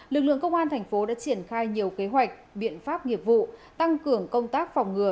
lực lượng công an thành phố đã triển khai nhiều kế hoạch biện pháp nghiệp vụ tăng cường công tác phòng ngừa